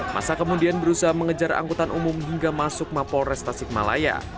masa kemudian berusaha mengejar angkutan umum hingga masuk mapol restasi malaya